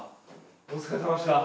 お疲れさまでした！